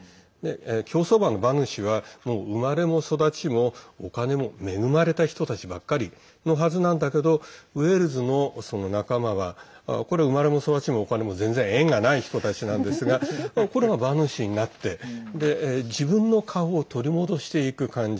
競走馬の馬主は生まれも育ちもお金も恵まれた人たちばっかりのはずなんだけどウェールズの仲間は生まれも育ちもお金も全然縁がない人たちなんですがこれが馬主になって自分の株を取り戻していく感じ。